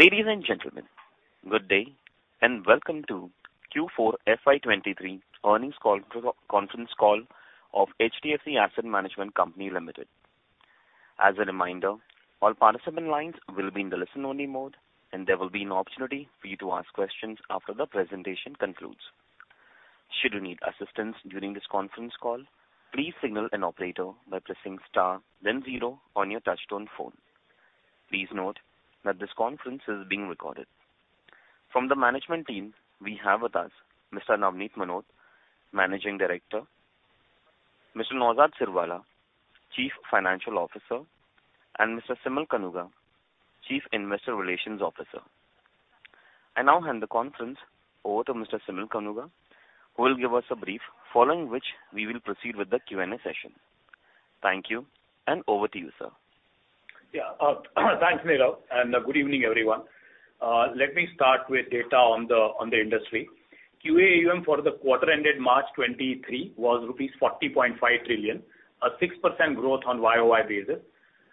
Ladies and gentlemen, good day and welcome to Q4 FY 2023 Earnings Call Pro-Conference Call of HDFC Asset Management Company Limited. As a reminder, all participant lines will be in the listen-only mode, and there will be an opportunity for you to ask questions after the presentation concludes. Should you need assistance during this conference call, please signal an operator by pressing star then zero on your touchtone phone. Please note that this conference is being recorded. From the management team, we have with us Mr. Navneet Munot, Managing Director, Mr. Naozad Sirwalla, Chief Financial Officer, and Mr. Simal Kanuga, Chief Investor Relations Officer. I now hand the conference over to Mr. Simal Kanuga, who will give us a brief following which we will proceed with the Q&A session. Thank you, and over to you, sir. Yeah. Thanks, Nirav, good evening, everyone. Let me start with data on the industry. QAAUM for the quarter ended March 23 was rupees 40.5 trillion, a 6% growth on YoY basis.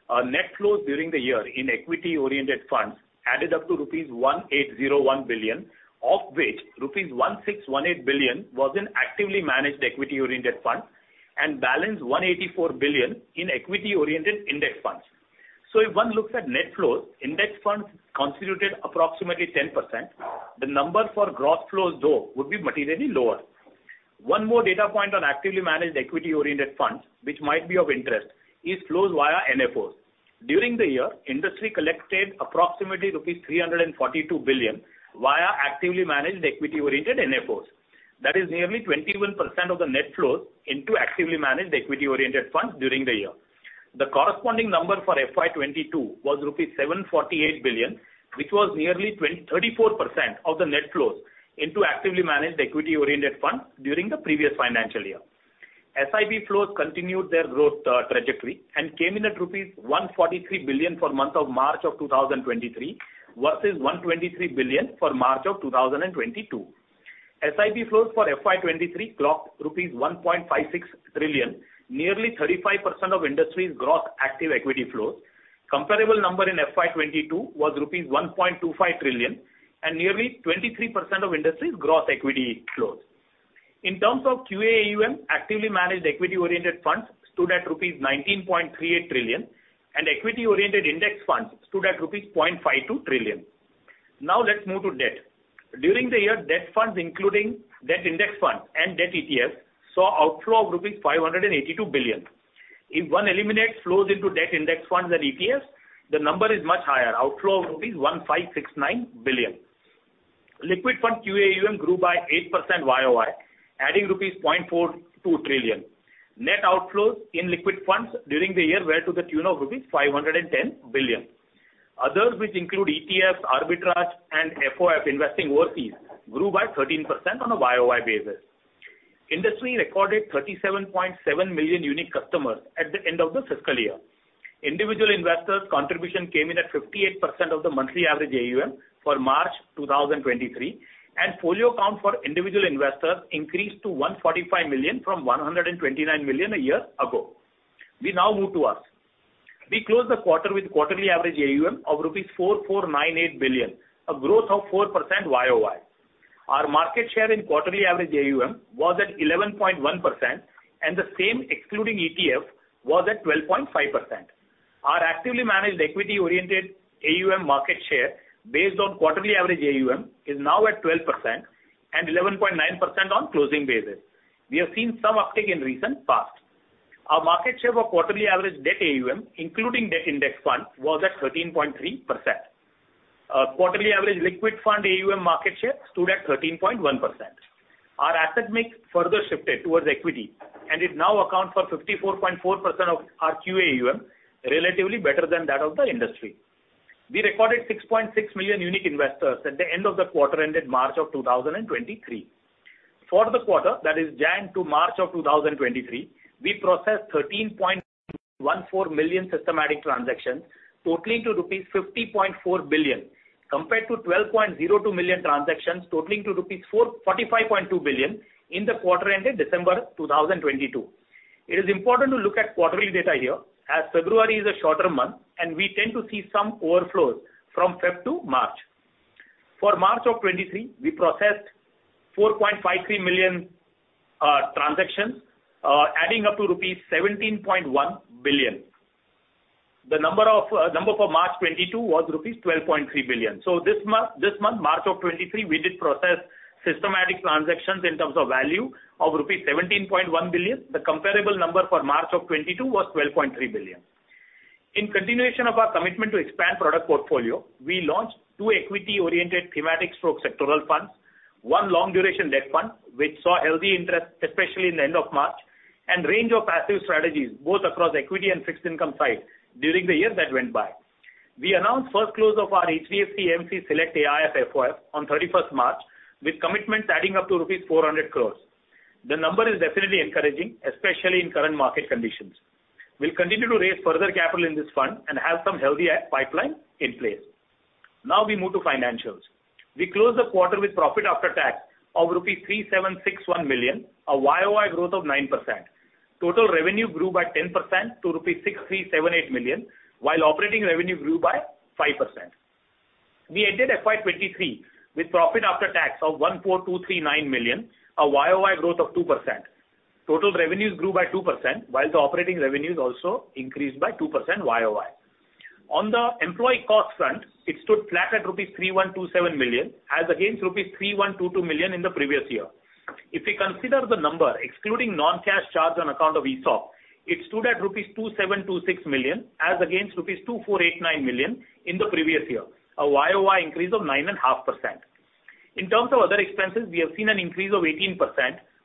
Our net flows during the year in equity-oriented funds added up to rupees 1,801 billion, of which rupees 1,618 billion was in actively managed equity-oriented funds and balance 184 billion in equity-oriented index funds. If one looks at net flows, index funds constituted approximately 10%. The number for gross flows, though, would be materially lower. One more data point on actively managed equity-oriented funds, which might be of interest, is flows via NFOs. During the year, industry collected approximately rupees 342 billion via actively managed equity-oriented NFOs. That is nearly 21% of the net flows into actively managed equity-oriented funds during the year. The corresponding number for FY 2022 was rupees 748 billion, which was nearly 34% of the net flows into actively managed equity-oriented funds during the previous financial year. SIP flows continued their growth trajectory and came in at rupees 143 billion for month of March 2023 versus 123 billion for March 2022. SIP flows for FY 2023 clocked rupees 1.56 trillion, nearly 35% of industry's gross active equity flows. Comparable number in FY 2022 was rupees 1.25 trillion and nearly 23% of industry's gross equity flows. In terms of QAAUM, actively managed equity-oriented funds stood at rupees 19.38 trillion, and equity-oriented index funds stood at rupees 0.52 trillion. Let's move to debt. During the year, debt funds including debt index funds and debt ETFs saw outflow of rupees 582 billion. If one eliminates flows into debt index funds and ETFs, the number is much higher, outflow of rupees 1,569 billion. Liquid fund QAAUM grew by 8% YoY, adding rupees 0.42 trillion. Net outflows in liquid funds during the year were to the tune of rupees 510 billion. Others, which include ETFs, arbitrage, and FOF investing overseas, grew by 13% on a YoY basis. Industry recorded 37.7 million unique customers at the end of the fiscal year. Individual investors' contribution came in at 58% of the monthly average AUM for March 2023, and folio count for individual investors increased to 145 million from 129 million a year ago. We now move to us. We closed the quarter-with-quarterly average AUM of rupees 4,498 billion, a growth of 4% YoY. Our market share in quarterly average AUM was at 11.1%, and the same excluding ETF was at 12.5%. Our actively managed equity-oriented AUM market share based on quarterly average AUM is now at 12% and 11.9% on closing basis. We have seen some uptick in recent past. Our market share of quarterly average debt AUM, including debt index funds, was at 13.3%. Quarterly average liquid fund AUM market share stood at 13.1%. Our asset mix further shifted towards equity and it now accounts for 54.4% of our QAAUM, relatively better than that of the industry. We recorded 6.6 million unique investors at the end of the quarter ended March 2023. For the quarter, that is January to March 2023, we processed 13.14 million systematic transactions totaling to rupees 50.4 billion, compared to 12.02 million transactions totaling to rupees 45.2 billion in the quarter ended December 2022. It is important to look at quarterly data here as February is a shorter month, and we tend to see some overflows from Feb to March. For March of 2023, we processed 4.53 million transactions, adding up to rupees 17.1 billion. The number for March 2022 was rupees 12.3 billion. This month, March of 2023, we did process systematic transactions in terms of value of rupees 17.1 billion. The comparable number for March of 2022 was 12.3 billion. In continuation of our commitment to expand product portfolio, we launched two equity-oriented thematic stroke sectoral funds, one long duration debt fund, which saw healthy interest, especially in the end of March, and range of passive strategies, both across equity and fixed income side during the year that went by. We announced first close of our HDFC AMC Select AIF FOF on March 31st, with commitments adding up to 400 crores rupees. The number is definitely encouraging, especially in current market conditions. We'll continue to raise further capital in this fund and have some healthy pipeline in place. Now we move to financials. We closed the quarter with profit after tax of 3,761 million rupees, a YoY growth of 9%. Total revenue grew by 10% to 6,378 million rupees, while operating revenue grew by 5%. We ended FY 2023 with profit after tax of 14,239 million, a YoY growth of 2%. Total revenues grew by 2%, while the operating revenues also increased by 2% YoY. On the employee cost front, it stood flat at rupees 3,127 million as against rupees 3,122 million in the previous year. If we consider the number excluding non-cash charge on account of ESOP, it stood at rupees 2,726 million as against rupees 2,489 million in the previous year, a YoY increase of 9.5%. In terms of other expenses, we have seen an increase of 18%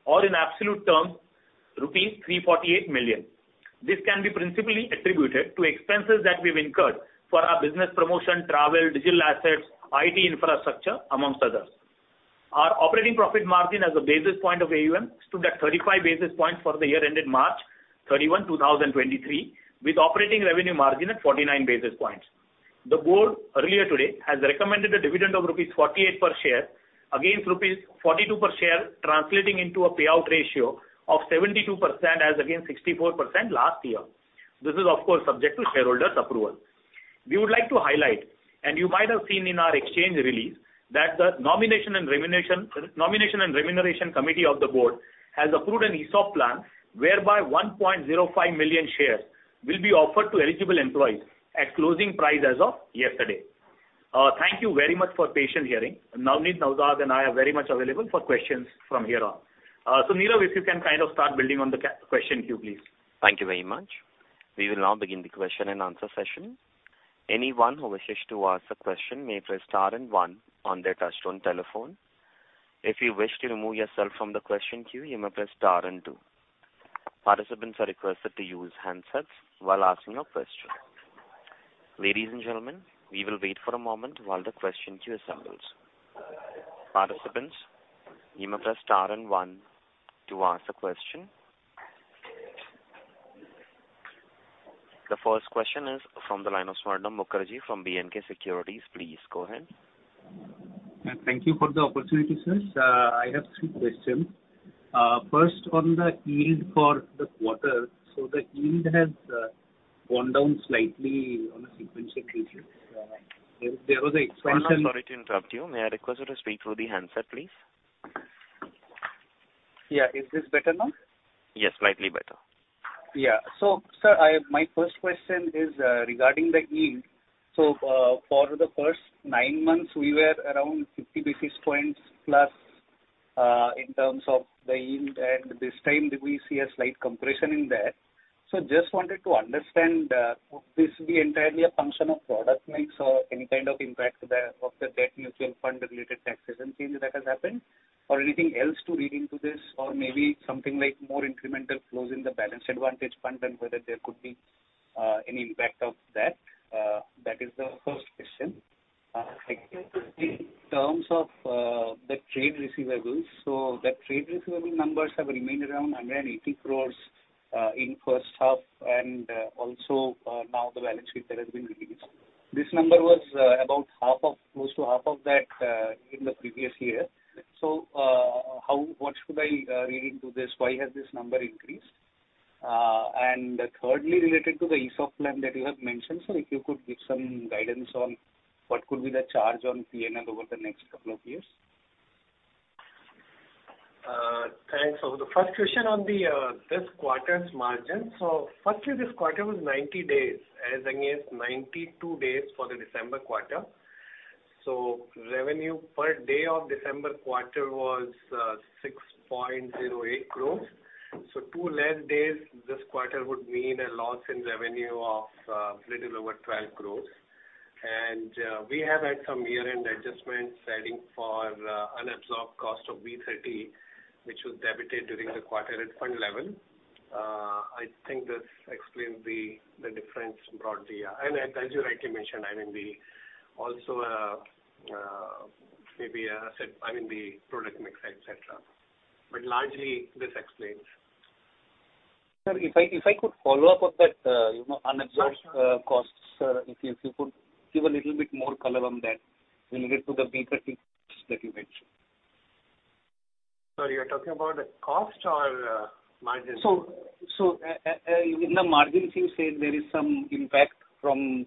or in absolute terms rupees 348 million. This can be principally attributed to expenses that we've incurred for our business promotion, travel, digital assets, IT infrastructure, amongst others. Our operating profit margin as a basis point of AUM stood at 35 basis points for the year ended March 31, 2023, with operating revenue margin at 49 basis points. The board earlier today has recommended a dividend of rupees 48 per share against rupees 42 per share, translating into a payout ratio of 72% as against 64% last year. This is of course subject to shareholders approval. We would like to highlight, and you might have seen in our exchange release, that the Nomination & Remuneration Committee of the board has approved an ESOP plan whereby 1.05 million shares will be offered to eligible employees at closing price as of yesterday. Thank you very much for patient hearing. Navneet, Naozad and I are very much available for questions from here on. So Nirav, if you can kind of start building on the question queue, please. Thank you very much. We will now begin the question-and-answer session. Anyone who wishes to ask a question may press star and one on their touchtone telephone. If you wish to remove yourself from the question queue, you may press star and two. Participants are requested to use handsets while asking a question. Ladies and gentlemen, we will wait for a moment while the question queue assembles. Participants, you may press star and one to ask a question. The first question is from the line of Swarnabha Mukherjee from B&K Securities. Please go ahead. Thank you for the opportunity, sirs. I have three questions. First on the yield for the quarter. The yield has gone down slightly on a sequential basis. There was. Swarnabha, sorry to interrupt you. May I request you to speak through the handset, please? Yeah. Is this better now? Yes, slightly better. Yeah. Sir, I have, my first question is regarding the yield. For the first nine months we were around 50 basis points plus in terms of the yield, and this time we see a slight compression in that. Just wanted to understand, would this be entirely a function of product mix or any kind of impact there of the debt mutual fund related tax regime change that has happened or anything else to read into this or maybe something like more incremental flows in the balanced advantage fund and whether there could be any impact of that? That is the first question. Secondly, in terms of the trade receivables. The trade receivable numbers have remained around 180 crores in first half and also now the balance sheet that has been released. This number was about half of, close to half of that, in the previous year. How, what should I read into this? Why has this number increased? Thirdly, related to the ESOP plan that you have mentioned, sir, if you could give some guidance on what could be the charge on P&L over the next couple of years. Thanks. The first question on the this quarter's margin. Firstly, this quarter was 90 days as against 92 days for the December quarter. Revenue per day of December quarter was 6.08 crores. Two less days this quarter would mean a loss in revenue of little over 12 crores. We have had some year-end adjustments setting for unabsorbed cost of B30, which was debited during the quarter at fund level. I think this explains the difference broadly. As you rightly mentioned, the also maybe the product mix, et cetera. Largely this explains. Sir, if I, if I could follow up on that, you know, unabsorbed- Sure, sure. costs. If you could give a little bit more color on that related to the B30 that you mentioned. Sir, you're talking about the cost or margin? In the margins you said there is some impact from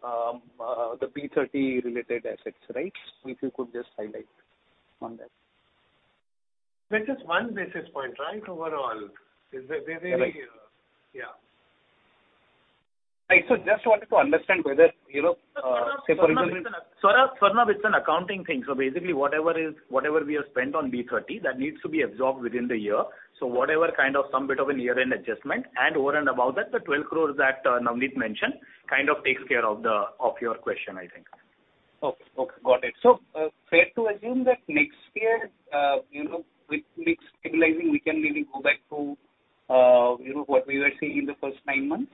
the B30 related assets, right? If you could just highlight on that. That is one basis point, right? Overall. Is there any? Right. Yeah. Right. Just wanted to understand whether, you know, say for example- Swarnabha, it's an accounting thing. Basically whatever we have spent on B30, that needs to be absorbed within the year. Whatever kind of some bit of a year-end adjustment and over and above that, the 12 crores that Navneet mentioned kind of takes care of your question, I think. Okay. Okay, got it. Fair to assume that next year, you know, with mix stabilizing, we can maybe go back to, you know, what we were seeing in the first nine months?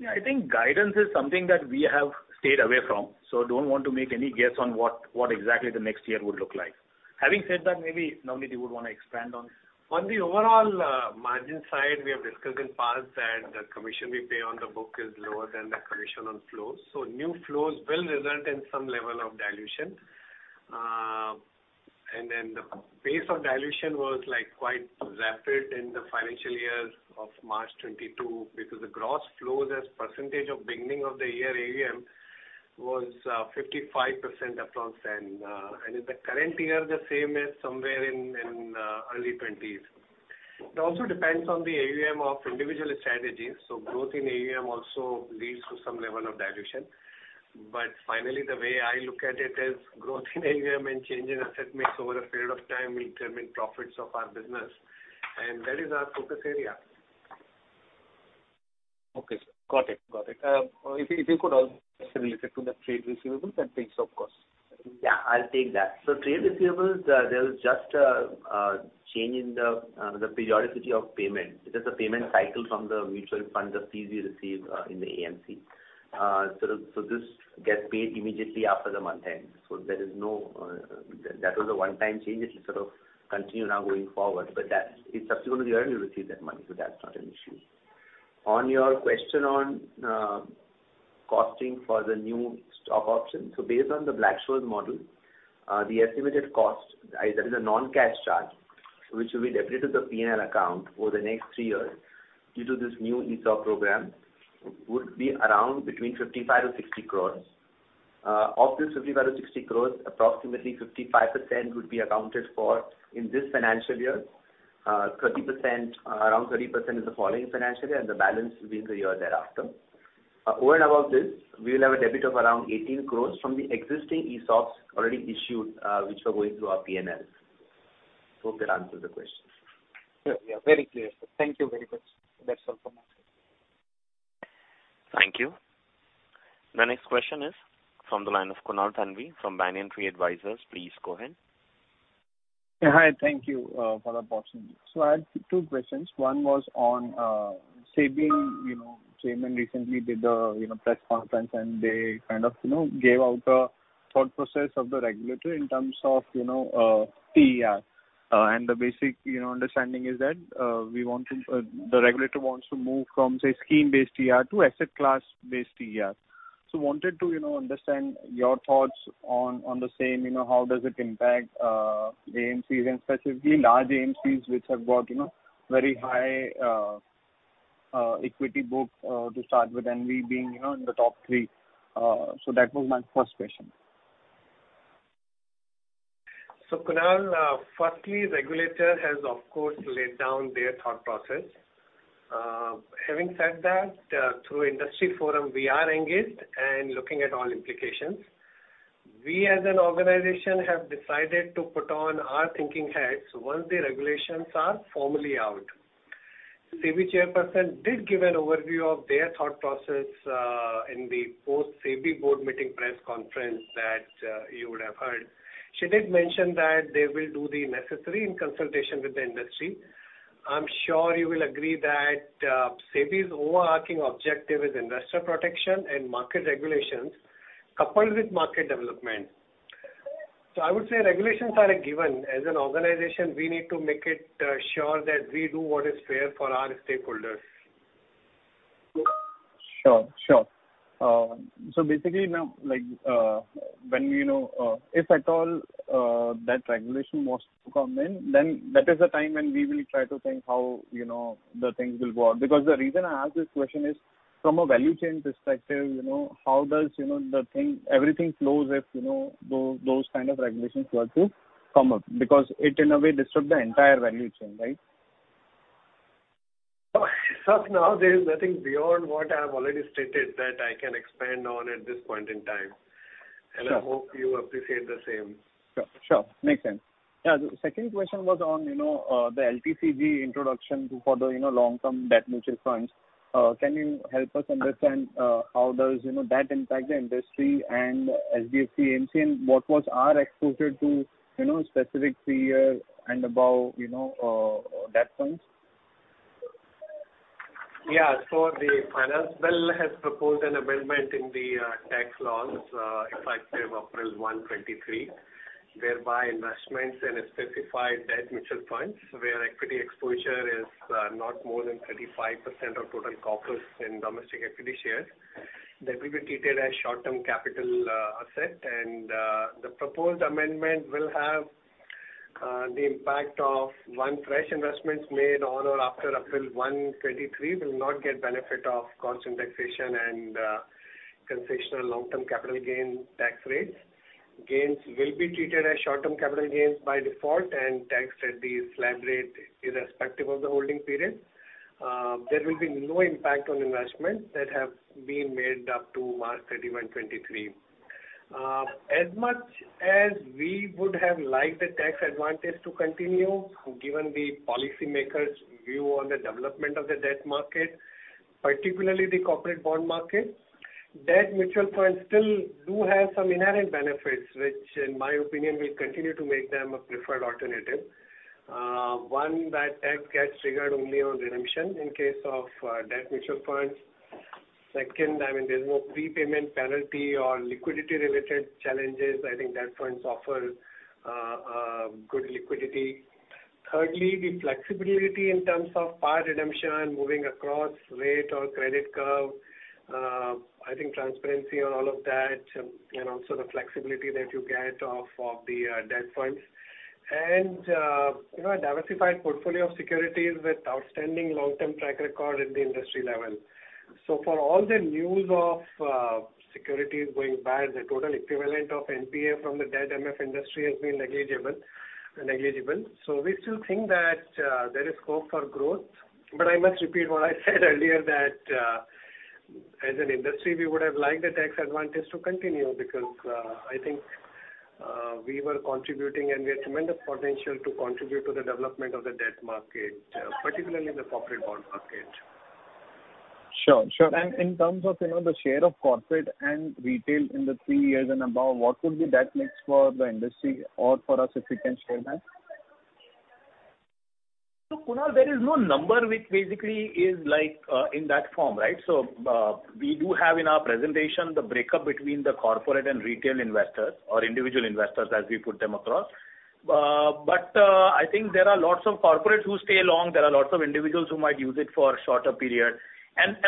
Yeah, I think guidance is something that we have stayed away from. Don't want to make any guess on what exactly the next year would look like. Having said that, maybe, Navneet, you would wanna expand on it? On the overall margin side, we have discussed in past that the commission we pay on the book is lower than the commission on flows. New flows will result in some level of dilution. The pace of dilution was like quite rapid in the financial years of March 2022 because the gross flows as percentage of beginning of the year AUM was 55% approximately and in the current year the same is somewhere in early 20s. It also depends on the AUM of individual strategies. Growth in AUM also leads to some level of dilution. Finally the way I look at it is growth in AUM and change in assets mix over a period of time will determine profits of our business and that is our focus area. Okay, sir. Got it. Got it. If you could also related to the trade receivables and ESOP costs. Yeah, I'll take that. Trade receivables, there was just a change in the periodicity of payment. It is a payment cycle from the mutual fund, the fees we receive in the AMC. So this gets paid immediately after the month end. There is no, that was a one-time change. It'll sort of continue now going forward, but that's, it's subsequently earned, you receive that money, so that's not an issue. On your question on costing for the new stock option. Based on the Black-Scholes model, the estimated cost, either the non-cash charge which will be debited to the P&L account over the next three years due to this new ESOP program would be around between 55-60 crores. Of this 55 crore-60 crore, approximately 55% would be accounted for in this financial year. 30%, around 30% in the following financial year and the balance will be in the year thereafter. Over and above this, we will have a debit of around 18 crore from the existing ESOPs already issued, which were going through our P&L. Hope that answers the question. Yeah. Yeah. Very clear, sir. Thank you very much. That's all from my side. Thank you. The next question is from the line of Kunal Thanvi from Banyan Tree Advisors. Please go ahead. Yeah. Hi, thank you for the opportunity. I had two questions. One was on SEBI, you know, chairman recently did a, you know, press conference and they kind of, you know, gave out a thought process of the regulator in terms of, you know, TER. The basic, you know, understanding is that the regulator wants to move from say scheme-based TER to asset class-based TER. Wanted to, you know, understand your thoughts on the same. You know, how does it impact AMCs and specifically large AMCs which have got, you know, very high equity book to start with and we being, you know, in the top three. That was my first question. So Kunal, firstly, regulator has of course laid down their thought process. Having said that, through industry forum we are engaged and looking at all implications. We as an organization have decided to put on our thinking hats once the regulations are formally out. SEBI chairperson did give an overview of their thought process in the post SEBI board meeting press conference that you would have heard. She did mention that they will do the necessary in consultation with the industry. I'm sure you will agree that SEBI's overarching objective is investor protection and market regulations coupled with market development. I would say regulations are a given. As an organization, we need to make it sure that we do what is fair for our stakeholders. Sure. Sure. Basically now like, when you know, if at all, that regulation was to come in, then that is the time when we will try to think how, you know, the things will work. The reason I ask this question is from a value chain perspective, you know, how does you know everything flows if, you know, those kind of regulations were to come up because it in a way disrupt the entire value chain, right? As of now there is nothing beyond what I have already stated that I can expand on at this point in time. Sure. I hope you appreciate the same. Sure, sure. Makes sense. Yeah. The second question was on, you know, the LTCG introduction for the, you know, long-term debt mutual funds. Can you help us understand, how does you know that impact the industry and HDFC AMC and what was our exposure to, you know, specific three year and above, you know, debt funds? Yeah. The Finance Bill has proposed an amendment in the tax laws, effective April 1, 2023, whereby investments in a specified debt mutual funds where equity exposure is not more than 35% of total corpus in domestic equity shares, that will be treated as short-term capital asset. The proposed amendment will have the impact of when fresh investments made on or after April 1, 2023 will not get benefit of indexation and concessional long-term capital gain tax rates. Gains will be treated as short-term capital gains by default and taxed at the slab rate irrespective of the holding period. There will be no impact on investments that have been made up to March 31, 2023. As much as we would have liked the tax advantage to continue, given the policymakers' view on the development of the debt market, particularly the corporate bond market, debt mutual funds still do have some inherent benefits which in my opinion will continue to make them a preferred alternative. One, that tax gets triggered only on redemption in case of debt mutual funds. Second, I mean, there's no prepayment penalty or liquidity-related challenges. I think debt funds offer good liquidity. Thirdly, the flexibility in terms of par redemption, moving across rate or credit curve. I think transparency on all of that and also the flexibility that you get off of the debt funds. You know, a diversified portfolio of securities with outstanding long-term track record at the industry level. For all the news of securities going bad, the total equivalent of NPA from the debt MF industry has been negligible. We still think that there is scope for growth. I must repeat what I said earlier that as an industry, we would have liked the tax advantage to continue because I think we were contributing and we have tremendous potential to contribute to the development of the debt market, particularly the corporate bond market. Sure, sure. In terms of, you know, the share of corporate and retail in the three years and above, what would be that mix for the industry or for us, if you can share that? Kunal, there is no number which basically is like, in that form, right? We do have in our presentation the breakup between the corporate and retail investors or individual investors as we put them across. I think there are lots of corporates who stay long. There are lots of individuals who might use it for a shorter period.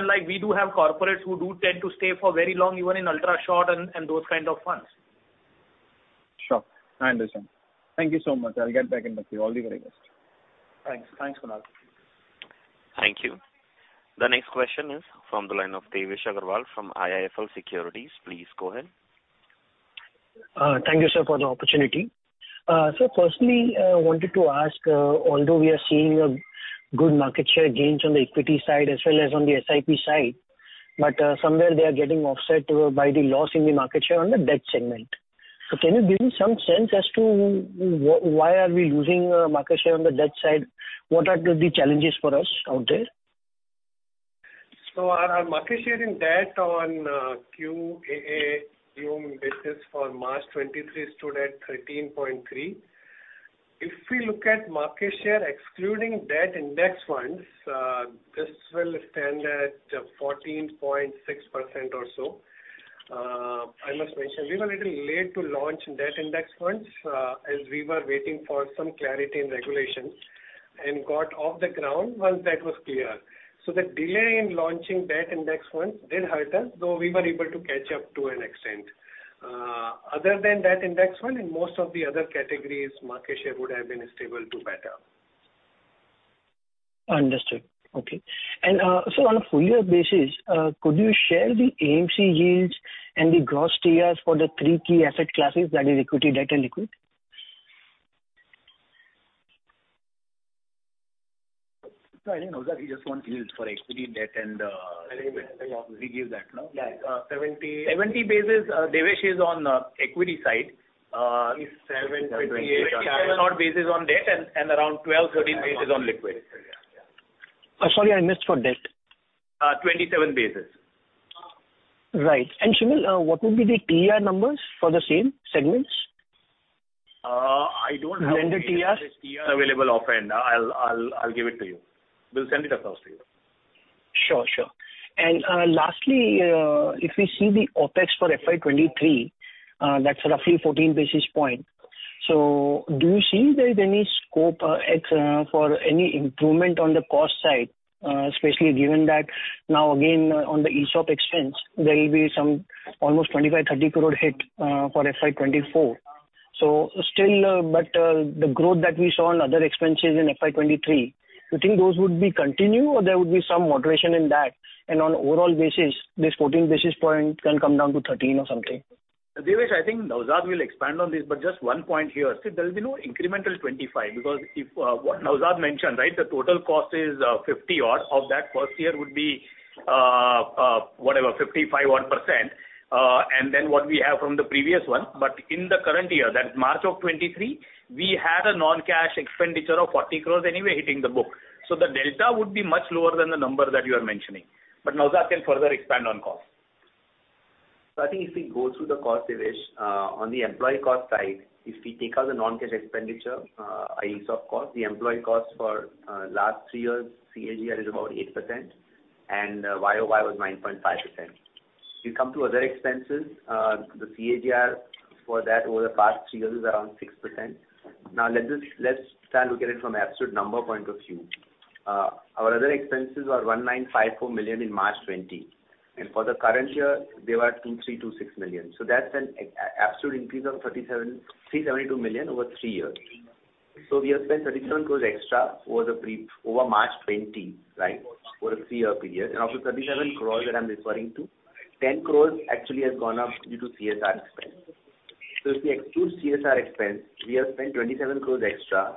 Like we do have corporates who do tend to stay for very long, even in ultra short and those kind of funds. Sure. I understand. Thank you so much. I'll get back in touch with you. All the very best. Thanks. Thanks, Kunal. Thank you. The next question is from the line of Devesh Agarwal from IIFL Securities. Please go ahead. Thank you, sir, for the opportunity. Firstly, wanted to ask, although we are seeing a good market share gains on the equity side as well as on the SIP side, but somewhere they are getting offset by the loss in the market share on the debt segment. Can you give me some sense as to why are we losing market share on the debt side? What are the challenges for us out there? Our market share in debt on QAAUM basis for March 2023 stood at 13.3. If we look at market share excluding debt index funds, this will stand at 14.6% or so. I must mention we were little late to launch debt index funds as we were waiting for some clarity in regulations and got off the ground once that was clear. The delay in launching debt index fund did hurt us, though we were able to catch up to an extent. Other than debt index fund, in most of the other categories, market share would have been stable to better. Understood. Okay. On a full-year basis, could you share the AMC yields and the gross TRs for the three key asset classes, that is equity, debt and liquid? No, I think, Naozad, he just wants yields for equity, debt and... Liquid. Yeah. We give that, no? Yeah. 70 basis, Devesh, is on equity side. Is seven- 28 or 9. 27 or 8 basis on debt and around 12, 13 basis on liquid. Yeah. Yeah. Sorry, I missed for debt. 27 basis. Right. Simal, what would be the TR numbers for the same segments? I don't have- Lender TRs. TRs available offhand. I'll give it to you. We'll send it across to you. Sure, sure. Lastly, if we see the OpEx for FY 2023, that's roughly 14 basis points. Do you see there is any scope for any improvement on the cost side? Especially given that now again on the ESOP expense there will be some almost 25 crore-30 crore hit for FY 2024. Still, the growth that we saw on other expenses in FY 2023, you think those would be continue or there would be some moderation in that? On overall basis, this 14 basis points can come down to 13 or something? Devesh, I think Naozad will expand on this, but just one point here. See, there will be no incremental 25 because if, what Naozad mentioned, right, the total cost is, 50 odd. Of that first year would be, whatever, 55 odd %, and then what we have from the previous one. In the current year, that is March of 2023, we had a non-cash expenditure of 40 crores anyway hitting the book. The delta would be much lower than the number that you are mentioning. Naozad can further expand on cost. I think if we go through the cost, Devesh, on the employee cost side, if we take out the non-cash expenditure, i.e. stock cost, the employee costs for last three years CAGR is about 8%, and YoY was 9.5%. Come to other expenses, the CAGR for that over the past three years is around 6%. Let's try and look at it from absolute number point of view. Our other expenses are 1,954 million in March 2020, and for the current year they were 2,326 million. That's an absolute increase of 372 million over three years. We have spent 37 crores extra over March 2020, right? Over a three-year period. Of the 37 crores that I'm referring to, 10 crores actually has gone up due to CSR expense. If we exclude CSR expense, we have spent 27 crores extra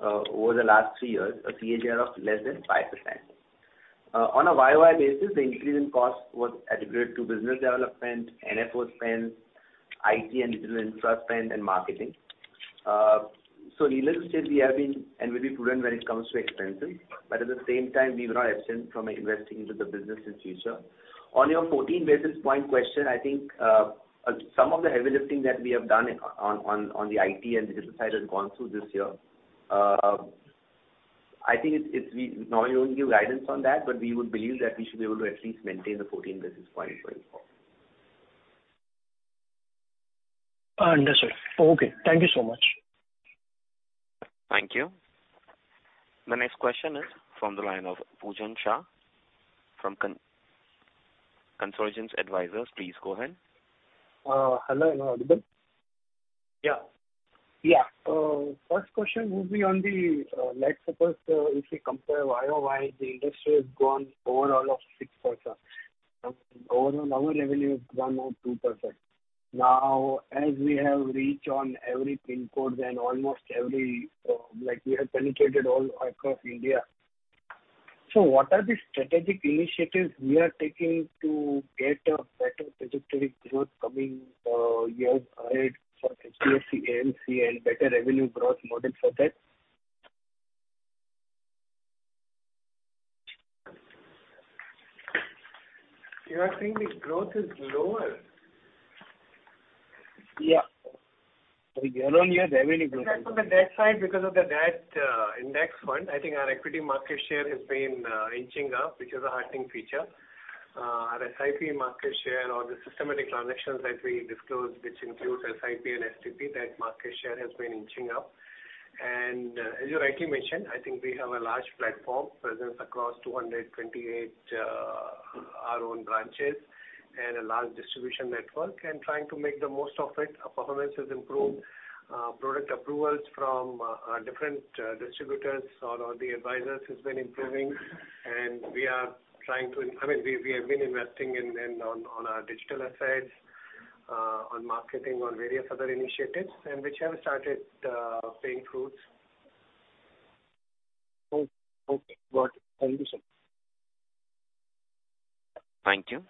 over the last three years, a CAGR of less than 5%. On a YoY basis, the increase in cost was attributable to business development, NFO spend, IT and digital infra spend and marketing. Needless to say, we have been and will be prudent when it comes to expenses, but at the same time, we are not absent from investing into the business' future. On your 14 basis point question, I think, some of the heavy lifting that we have done on the IT and digital side has gone through this year. I think it's we normally don't give guidance on that, but we would believe that we should be able to at least maintain the 14 basis points for 2024. Understood. Okay. Thank you so much. Thank you. The next question is from the line of Pujan Shah from Congruence Advisers. Please go ahead. Hello. Am I audible? Yeah. Yeah. First question would be on the, let's suppose, if we compare YoY, the industry has grown overall of 6%. Overall our revenue is 1% or 2%. Now, as we have reached on every pin codes and almost every like we have penetrated all across India. What are the strategic initiatives we are taking to get a better trajectory growth coming years ahead for HDFC AMC and better revenue growth model for that? You are saying the growth is lower? Yeah. Like year-on-year revenue growth- From the debt side, because of the debt index fund, I think our equity market share has been inching up, which is a heartening feature. Our SIP market share or the systematic transactions that we disclose, which includes SIP and STP, that market share has been inching up. As you rightly mentioned, I think we have a large platform presence across 228 our own branches and a large distribution network. Trying to make the most of it, our performance has improved. Product approvals from different distributors or all the advisors has been improving. We are trying to I mean, we have been investing in on our digital assets, on marketing, on various other initiatives and which have started paying fruits. Oh, okay. Got it. Thank you, sir. Thank you.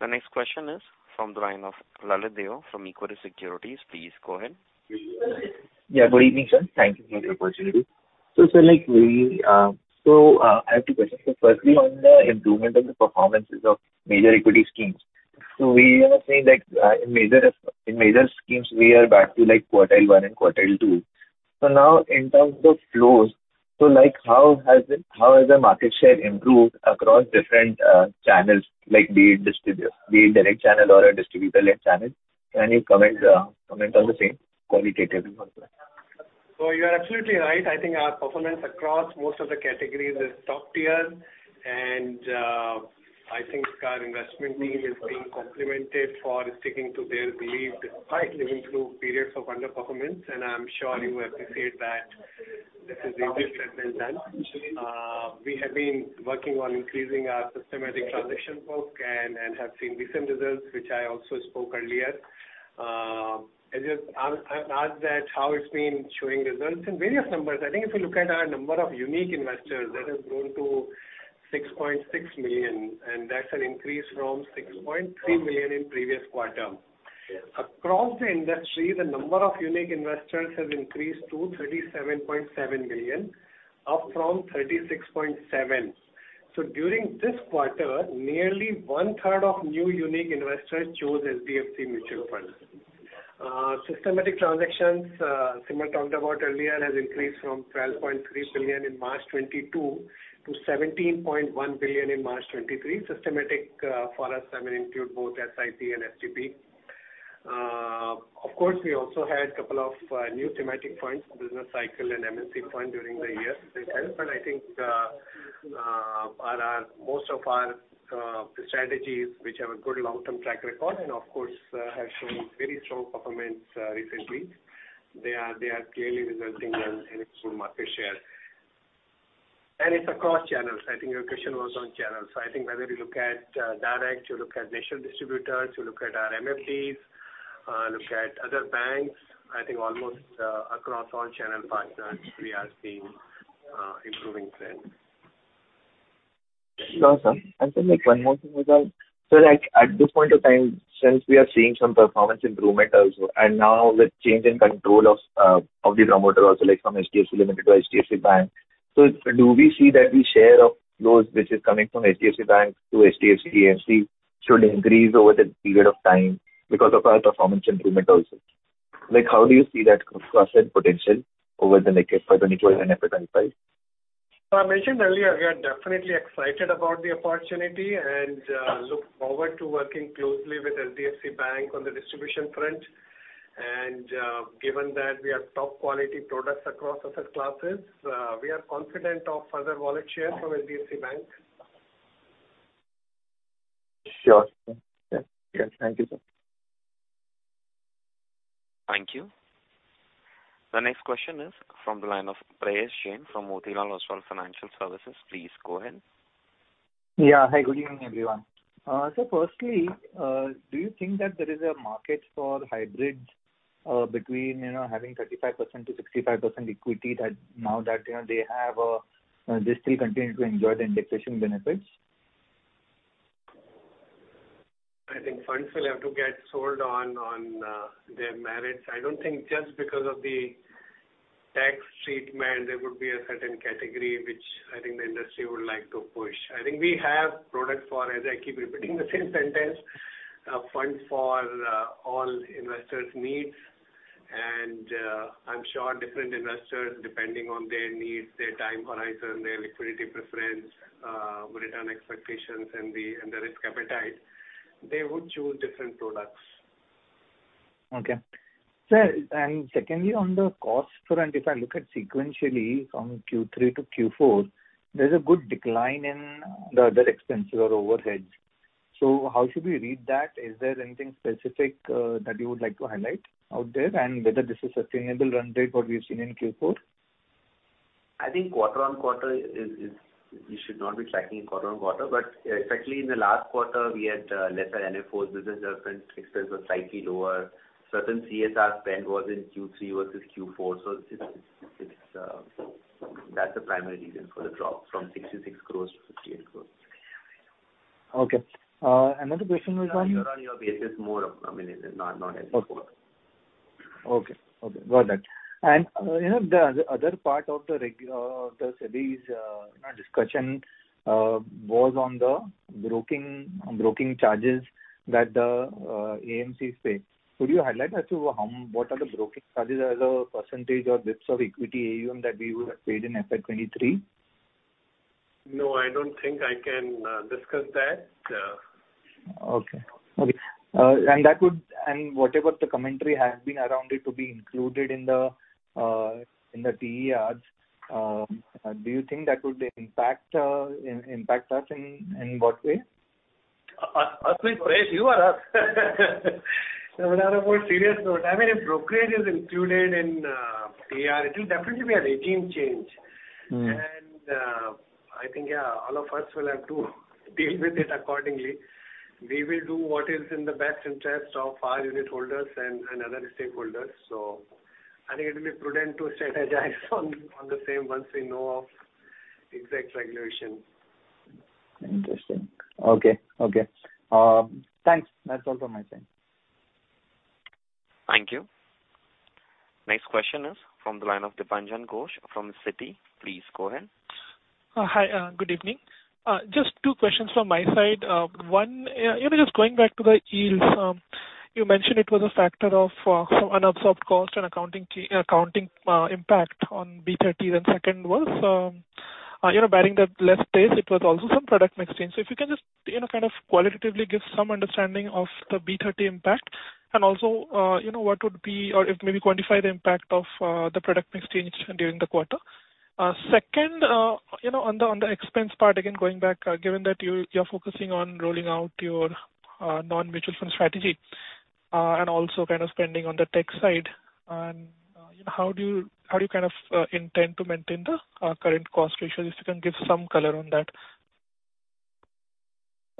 The next question is from the line of Lalit Deo from Equirus Securities. Please go ahead. Yeah. Good evening, sir. Thank you for the opportunity. Sir, I have two questions. Firstly on the improvement of the performances of major equity schemes. We are seeing like, in major in major schemes we are back to like quartile one and quartile two. Now in terms of flows, like how has the market share improved across different channels like be it direct channel or a distributor-led channel? Can you comment on the same qualitatively? You're absolutely right. I think our performance across most of the categories is top tier. I think our investment team is being complimented for sticking to their belief despite living through periods of underperformance. I'm sure you appreciate that this is a risk that's been done. We have been working on increasing our systematic transaction book and have seen decent results, which I also spoke earlier. As you've asked that how it's been showing results in various numbers. I think if you look at our number of unique investors, that has grown to 6.6 million, and that's an increase from 6.3 million in previous quarter. Across the industry, the number of unique investors has increased to 37.7 million, up from 36.7. During this quarter, nearly one third of new unique investors chose HDFC Mutual Fund. Systematic transactions, Simal talked about earlier, has increased from 12.3 billion in March 2022 to 17.1 billion in March 2023. Systematic, for us, I mean include both SIP and STP. Of course, we also had couple of new thematic funds, Business Cycle and MNC fund during the year itself. I think, our, most of our strategies which have a good long-term track record and of course, have shown very strong performance recently. They are clearly resulting in improved market share. It's across channels. I think your question was on channels. I think whether you look at direct, you look at national distributors, you look at our MFDs, look at other banks, I think almost across all channel partners we are seeing improving trends. Sure, sir. One more thing as well. At this point of time, since we are seeing some performance improvement also, and now with change in control of the promoter also like from HDFC Limited to HDFC Bank. Do we see that the share of those which is coming from HDFC Bank to HDFC AMC should increase over the period of time because of our performance improvement also? How do you see that cross-sell potential over the next FY 2024 and FY 2025? I mentioned earlier, we are definitely excited about the opportunity and look forward to working closely with HDFC Bank on the distribution front. Given that we are top quality products across asset classes, we are confident of further wallet share from HDFC Bank. Sure. Yeah. Yeah. Thank you, sir. Thank you. The next question is from the line of Prayesh Jain from Motilal Oswal Financial Services. Please go ahead. Yeah. Hi, good evening, everyone. firstly, do you think that there is a market for hybrids, between, you know, having 35%-65% equity that now that, you know, they have, they still continue to enjoy the indexation benefits? I think funds will have to get sold on their merits. I don't think just because of the tax treatment there would be a certain category. As you would like to push. I think we have product for, as I keep repeating the same sentence, funds for all investors' needs. I'm sure different investors, depending on their needs, their time horizon, their liquidity preference, return expectations and the risk appetite, they would choose different products. Okay. Sir, and secondly, on the cost front, if I look at sequentially from Q3 to Q4, there's a good decline in the other expenses or overheads. How should we read that? Is there anything specific that you would like to highlight out there? Whether this is sustainable run rate, what we've seen in Q4? I think quarter-on-quarter is we should not be tracking quarter-on-quarter. Especially in the last quarter, we had lesser NFOs. Business development expenses were slightly lower. Certain CSR spend was in Q3 versus Q4. It's that's the primary reason for the drop from 66 crores to 58 crores. Okay. Another question was. year-over-year basis more of Okay. Okay. Got that. You know, the other part of the SEBI's, you know, discussion was on the broking charges that the AMCs pay. Could you highlight as to what are the broking charges as a % of bits of equity AUM that we would have paid in FY 2023? No, I don't think I can discuss that. Okay. Okay. Whatever the commentary has been around it to be included in the in the TERs, do you think that would impact us, in what way? ask me, Prayesh, you are us. On a more serious note, I mean, if brokerage is included in TER, it will definitely be a regime change. Mm. I think, yeah, all of us will have to deal with it accordingly. We will do what is in the best interest of our unit holders and other stakeholders. I think it will be prudent to strategize on the same once we know of exact regulation. Interesting. Okay. Okay. Thanks. That's all from my side. Thank you. Next question is from the line of Dipanjan Ghosh from Citi. Please go ahead. Hi. Good evening. Just two questions from my side. One, you know, just going back to the yields, you mentioned it was a factor of some unabsorbed cost and accounting impact on B30. Second was, you know, barring that less pace, it was also some product mix change. If you can just, you know, kind of qualitatively give some understanding of the B30 impact and also, you know, what would be or if maybe quantify the impact of the product mix change during the quarter. Second, you know, on the, on the expense part, again, going back, given that you're focusing on rolling out your non-mutual fund strategy, and also kind of spending on the tech side on, you know, how do you, how do you kind of, intend to maintain the current cost ratio? If you can give some color on that.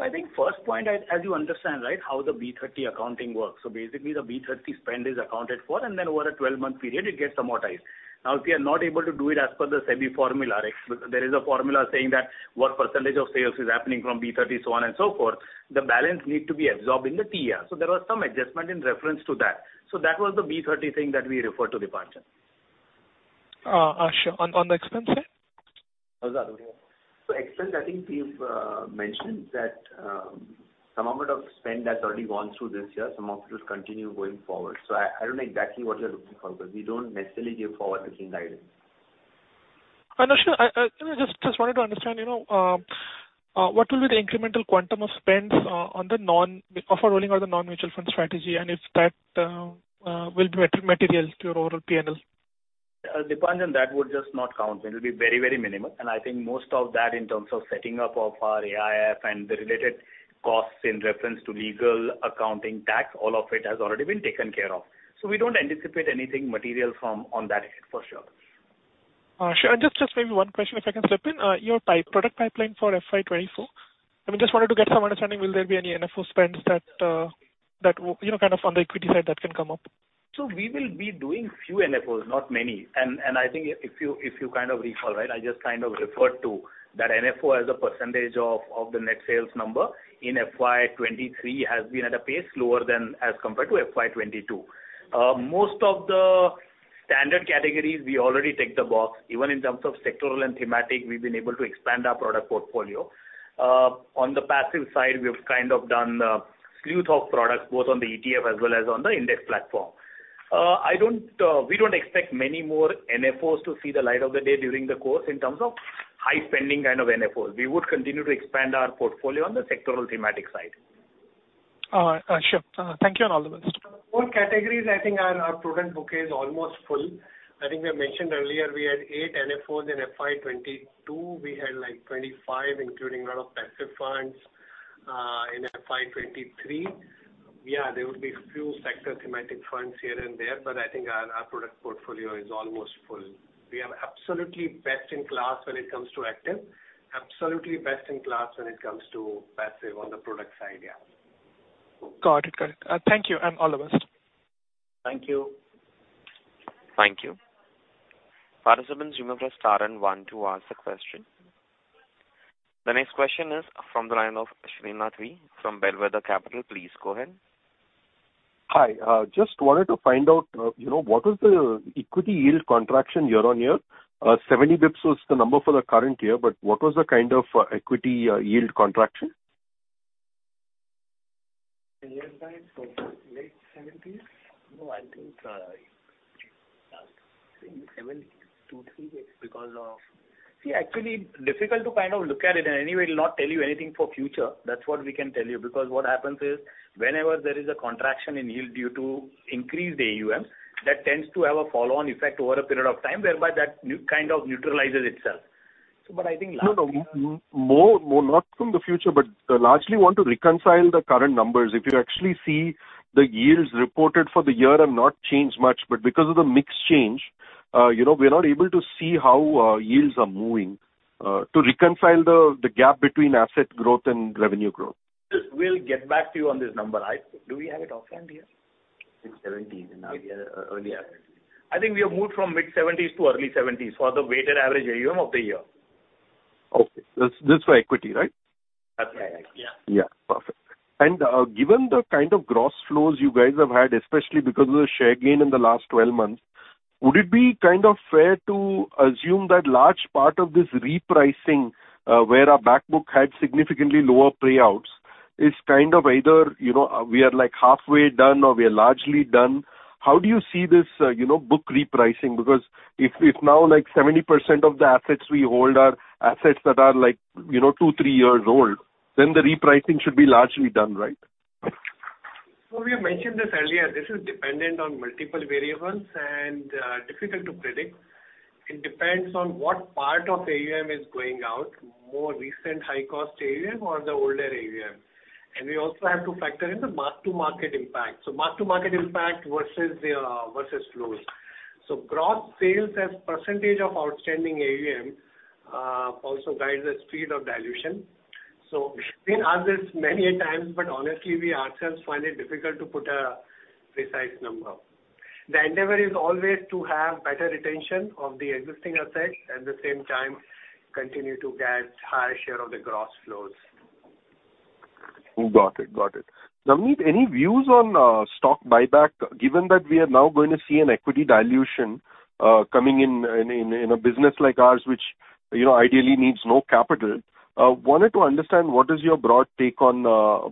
I think first point, as you understand, right, how the B30 accounting works. Basically the B30 spend is accounted for and then over a 12-month period it gets amortized. If we are not able to do it as per the SEBI formula, right? There is a formula saying that what % of sales is happening from B30, so on and so forth. The balance need to be absorbed in the TER. There was some adjustment in reference to that. That was the B30 thing that we refer to, Dipanjan. Sure. On the expense side? How's that? Okay. Expense, I think we've mentioned that some amount of spend has already gone through this year. Some of it will continue going forward. I don't know exactly what you're looking for because we don't necessarily give forward-looking guidance. No, sure. I, you know, just wanted to understand, you know, what will be the incremental quantum of spends, on the non-mutual fund strategy, and if that, will be material to your overall P&L? Dipanjan, that would just not count. It will be very, very minimal, I think most of that in terms of setting up of our AIF and the related costs in reference to legal, accounting, tax, all of it has already been taken care of. We don't anticipate anything material on that end for sure. Sure. Just maybe one question, if I can slip in. Your product pipeline for FY 2024. I mean, just wanted to get some understanding. Will there be any NFO spends that, you know, kind of on the equity side that can come up? We will be doing few NFOs, not many. I think if you kind of recall, right, I just kind of referred to that NFO as a percentage of the net sales number in FY 2023 has been at a pace lower than as compared to FY 2022. Most of the standard categories, we already tick the box. Even in terms of sectoral and thematic, we've been able to expand our product portfolio. On the passive side, we've kind of done a slew of products, both on the ETF as well as on the index platform. I don't, we don't expect many more NFOs to see the light of the day during the course in terms of high spending kind of NFOs. We would continue to expand our portfolio on the sectoral thematic side. All right. Sure. Thank you and all the best. All categories I think our product bouquet is almost full. I think we have mentioned earlier we had 8 NFOs in FY 2022. We had like 25 including lot of passive funds in FY 2023. Yeah, there would be few sector thematic funds here and there, but I think our product portfolio is almost full. We are absolutely best in class when it comes to active. Absolutely best in class when it comes to passive on the product side. Got it. Got it. Thank you and all the best. Thank you. Thank you. Participants, you may press star and one to ask a question. The next question is from the line of Srinath V from Bellwether Capital. Please go ahead. Hi. just wanted to find out, you know, what is the equity yield contraction year-on-year? 70 bps was the number for the current year, but what was the kind of equity yield contraction? A year back from late seventies. No, I think, last seven-three years because of... See, actually difficult to kind of look at it, and anyway it'll not tell you anything for future. That's what we can tell you. Because what happens is, whenever there is a contraction in yield due to increased AUMs, that tends to have a follow-on effect over a period of time, whereby that kind of neutralizes itself. I think last year- No, no. More not from the future, but largely want to reconcile the current numbers. If you actually see the yields reported for the year have not changed much, but because of the mix change, you know, we're not able to see how yields are moving, to reconcile the gap between asset growth and revenue growth. We'll get back to you on this number. Do we have it offhand here? Mid-seventies and now we are earlier. I think we have moved from mid-seventies to early seventies for the weighted average AUM of the year. Okay. This for equity, right? That's right. Yeah. Yeah. Perfect. Given the kind of gross flows you guys have had, especially because of the share gain in the last 12 months, would it be kind of fair to assume that large part of this repricing, where our back book had significantly lower payouts is kind of either, you know, we are like halfway done or we are largely done. How do you see this, you know, book repricing? If now like 70% of the assets we hold are assets that are like, you know, two, three years old, then the repricing should be largely done, right? We have mentioned this earlier. This is dependent on multiple variables and difficult to predict. It depends on what part of AUM is going out, more recent high-cost AUM or the older AUM. We also have to factor in the mark-to-market impact. Mark-to-market impact versus the versus flows. Gross sales as % of outstanding AUM also guides the speed of dilution. We've been asked this many a times, but honestly we ourselves find it difficult to put a precise number. The endeavor is always to have better retention of the existing assets, at the same time continue to get higher share of the gross flows. Got it. Got it. Now, Navneet, any views on stock buyback, given that we are now going to see an equity dilution, coming in a business like ours, which, you know, ideally needs no capital. wanted to understand what is your broad take on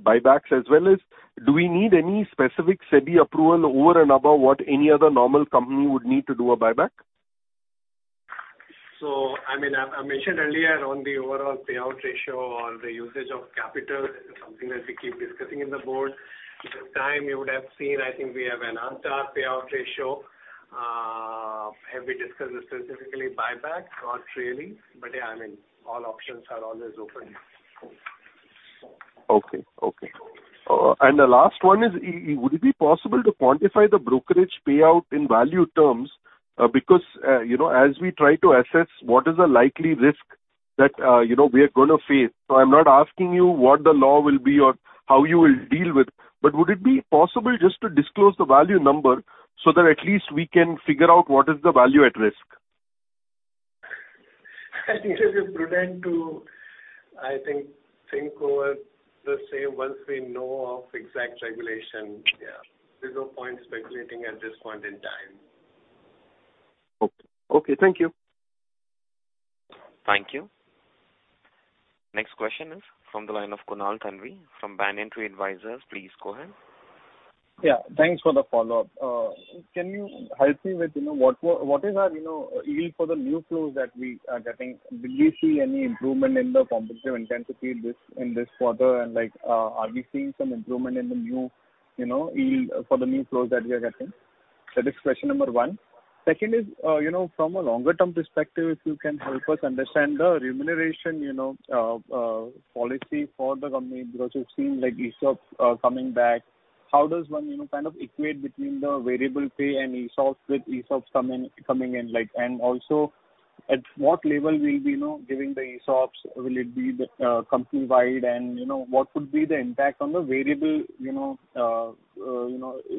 buybacks, as well as do we need any specific SEBI approval over and above what any other normal company would need to do a buyback? I mean, I mentioned earlier on the overall payout ratio or the usage of capital, something that we keep discussing in the board. With time you would have seen, I think we have enhanced our payout ratio. Have we discussed specifically buyback? Not really. Yeah, I mean, all options are always open. Okay. Okay. The last one is would it be possible to quantify the brokerage payout in value terms? Because, you know, as we try to assess what is the likely risk that, you know, we are gonna face. I'm not asking you what the law will be or how you will deal with. Would it be possible just to disclose the value number so that at least we can figure out what is the value at risk? It is prudent to, I think over the same once we know of exact regulation. Yeah. There's no point speculating at this point in time. Okay. Thank you. Thank you. Next question is from the line of Kunal Thanvi from Banyan Tree Advisors. Please go ahead. Yeah, thanks for the follow-up. Can you help me with, you know, what what is our, you know, yield for the new flows that we are getting? Did we see any improvement in the competitive intensity this, in this quarter? Are we seeing some improvement in the new, you know, yield for the new flows that we are getting? That is question number one. Second is, you know, from a longer term perspective, if you can help us understand the remuneration, you know, policy for the company, because we've seen like ESOP coming back. How does one, you know, kind of equate between the variable pay and ESOPs with ESOPs coming in, like, and also at what level will we know giving the ESOPs? Will it be the company-wide and, you know, what would be the impact on the variable, you know,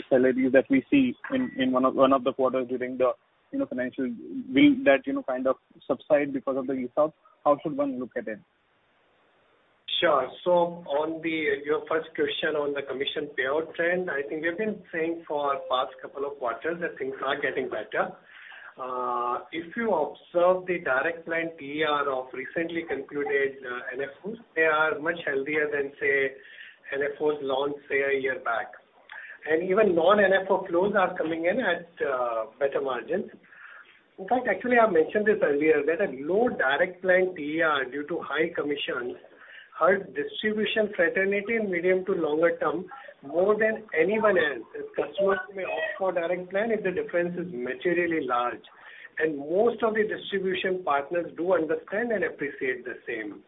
salaries that we see in one of the quarters during the, you know, financial week that, you know, kind of subside because of the ESOPs? How should one look at it? Sure. Your first question on the commission payout trend, I think we've been saying for past couple of quarters that things are getting better. If you observe the direct plan TER of recently concluded NFOs, they are much healthier than, say, NFOs launched, say, a year back. Even non-NFO flows are coming in at better margins. In fact, actually, I mentioned this earlier that a low direct plan TER due to high commissions hurt distribution fraternity in medium to longer term more than anyone else, as customers may opt for direct plan if the difference is materially large. Most of the distribution partners do understand and appreciate the same.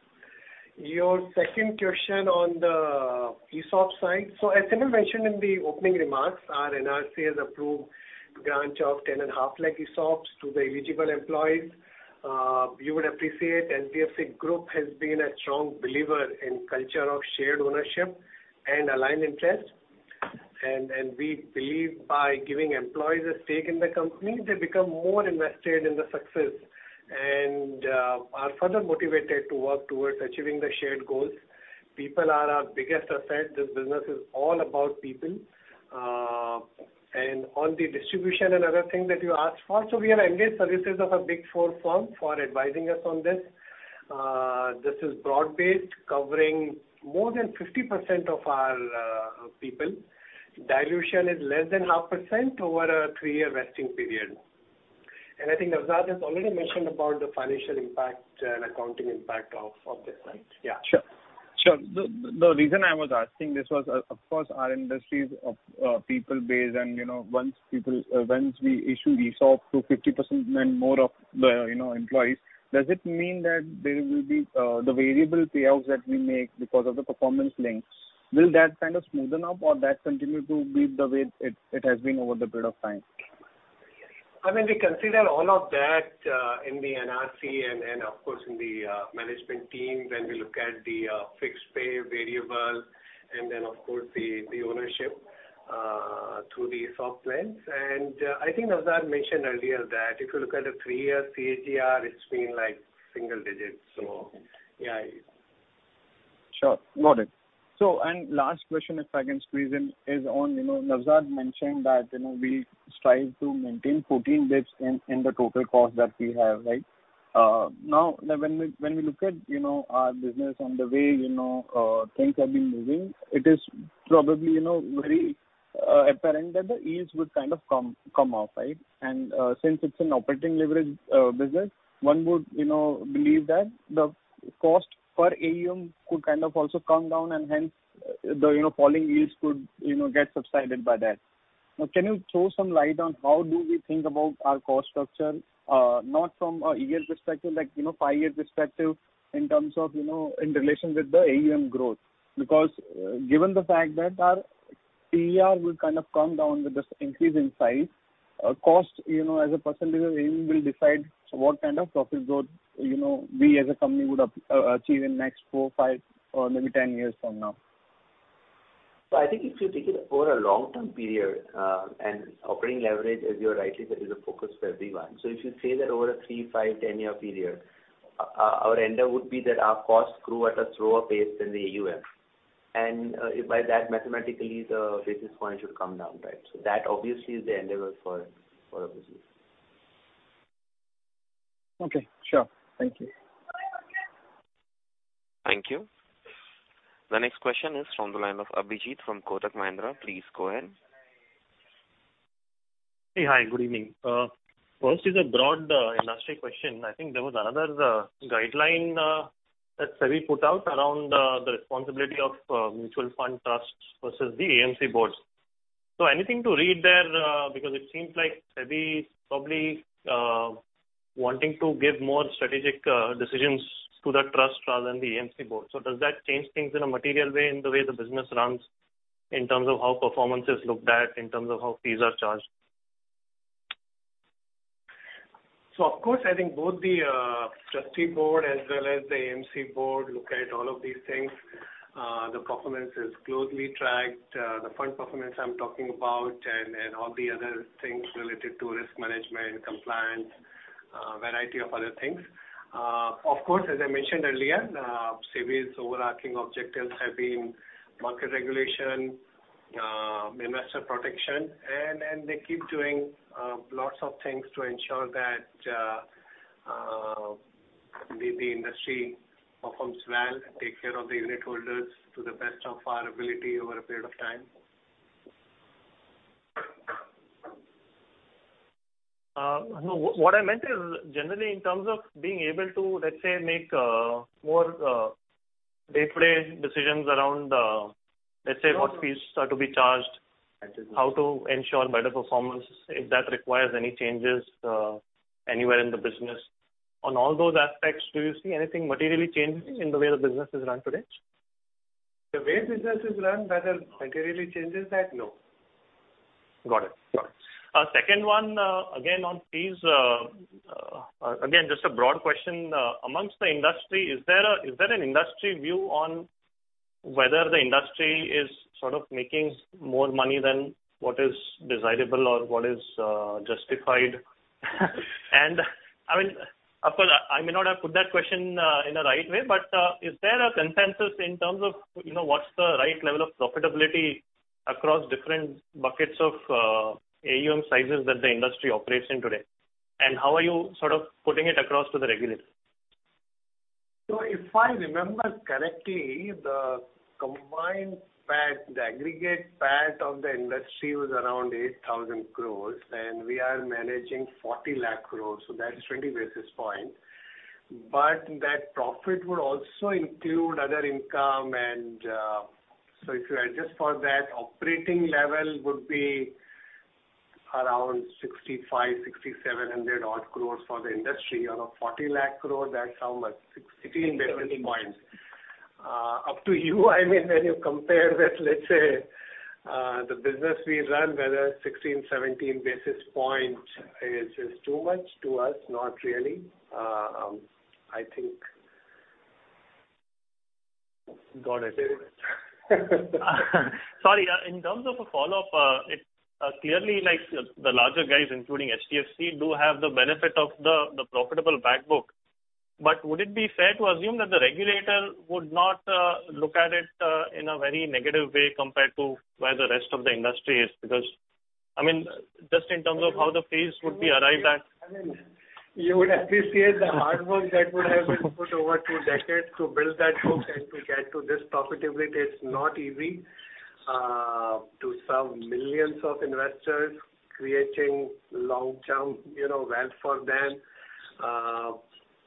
Your second question on the ESOP side. As Simal mentioned in the opening remarks, our NRC has approved grant of ten and half lakh ESOPs to the eligible employees. You would appreciate NBFC group has been a strong believer in culture of shared ownership and aligned interest. By giving employees a stake in the company, they become more invested in the success and are further motivated to work towards achieving the shared goals. People are our biggest asset. This business is all about people. On the distribution and other thing that you asked for, we have engaged services of a Big Four firm for advising us on this. This is broad-based, covering more than 50% of our people. Dilution is less than 0.5% over a three-year vesting period. I think Naozad has already mentioned about the financial impact and accounting impact of this, right. Sure. Sure. The reason I was asking this was, of course, our industry's people based, and, you know, once we issue ESOP to 50% and more of the, you know, employees, does it mean that there will be the variable payouts that we make because of the performance links, will that kind of smoothen up or that continue to be the way it has been over the period of time? I mean, we consider all of that in the NRC and of course in the management team when we look at the fixed pay variable and then of course the ownership through the ESOP plans. I think Naozad mentioned earlier that if you look at a three-year CAGR, it's been like single-digits. Yeah. Sure. Got it. last question, if I can squeeze in, is on, you know, Naozad mentioned that, you know, we strive to maintain 14 bits in the total cost that we have, right? now when we, when we look at, you know, our business and the way, you know, things have been moving, it is probably, you know, very, apparent that the yields would kind of come up, right? since it's an operating leverage, business, one would, you know, believe that the cost per AUM could kind of also come down and hence the, you know, falling yields could, you know, get subsided by that. Now, can you throw some light on how do we think about our cost structure, not from a year perspective, like, you know, five-year perspective in terms of, you know, in relation with the AUM growth? Because given the fact that our PER will kind of come down with this increase in size, cost, you know, as a percentage of AUM will decide what kind of profit growth, you know, we as a company would achieve in next four, five, or maybe 10 years from now. I think if you take it over a long-term period, and operating leverage, as you rightly said, is a focus for everyone. If you say that over a three, five, 10-year period, our ender would be that our costs grew at a slower pace than the AUM. By that mathematically the basis point should come down, right? That obviously is the endeavor for our business. Okay. Sure. Thank you. Thank you. The next question is from the line of Abhijit from Kotak Mahindra. Please go ahead. Hey. Hi, good evening. First is a broad industry question. I think there was another guideline that SEBI put out around the responsibility of mutual fund trusts versus the AMC boards. Anything to read there? Because it seems like SEBI is probably wanting to give more strategic decisions to the trust rather than the AMC board. Does that change things in a material way in the way the business runs in terms of how performance is looked at, in terms of how fees are charged? Of course, I think both the trustee board as well as the AMC board look at all of these things. The performance is closely tracked. The fund performance I'm talking about and all the other things related to risk management, compliance, variety of other things. Of course, as I mentioned earlier, SEBI's overarching objectives have been market regulation, investor protection, and they keep doing lots of things to ensure that the industry performs well and take care of the unit holders to the best of our ability over a period of time. No. What I meant is generally in terms of being able to, let's say, make more day-to-day decisions around let's say what fees are to be charged. Understood. How to ensure better performance, if that requires any changes anywhere in the business, on all those aspects, do you see anything materially changing in the way the business is run today? The way business is run, whether materially changes that? No. Got it. Got it. Second one, again, on fees. Again, just a broad question. Amongst the industry, is there an industry view on whether the industry is sort of making more money than what is desirable or what is justified? I mean, of course, I may not have put that question in the right way, but is there a consensus in terms of, you know, what's the right level of profitability across different buckets of AUM sizes that the industry operates in today? How are you sort of putting it across to the regulator? If I remember correctly, the combined PAT, the aggregate PAT of the industry was around 8,000 crores, and we are managing 40 lakh crores, so that's 20 basis points. That profit would also include other income. If you adjust for that, operating level would be around 6,500-6,700 odd crores for the industry out of 40 lakh crore. That's how much? 16, 17 points. Up to you. I mean, when you compare with, let's say, the business we run, whether 16, 17 basis points is too much to us, not really. I think- Got it. Sorry, in terms of a follow-up, it's clearly like the larger guys, including HDFC, do have the benefit of the profitable back book. Would it be fair to assume that the regulator would not look at it in a very negative way compared to where the rest of the industry is? Because, I mean, just in terms of how the fees would be arrived at. I mean, you would appreciate the hard work that would have been put over two decades to build that book and to get to this profitability. It's not easy to serve millions of investors, creating long-term, you know, wealth for them.